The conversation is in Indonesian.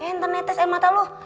eh ntar netes air mata lo